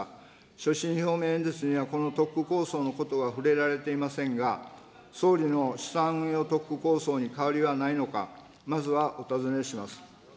所信表明演説にはこの特区構想のことが触れられていませんが、総理の資産運用特区構想に変わりはないのか、まずはお尋ねします。